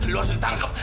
lo harus ditangkap